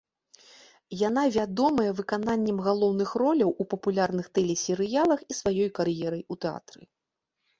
Яна вядомая выкананнем галоўных роляў у папулярных тэлесерыялах і сваёй кар'ерай у тэатры.